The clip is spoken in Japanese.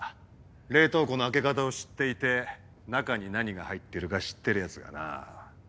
冷凍庫の開け方を知っていて中に何が入ってるか知ってるヤツがな。